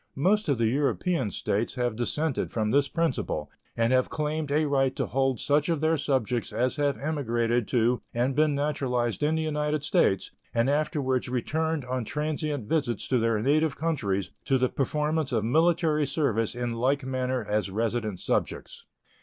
Most of the European States have dissented from this principle, and have claimed a right to hold such of their subjects as have emigrated to and been naturalized in the United States and afterwards returned on transient visits to their native countries to the performance of military service in like manner as resident subjects.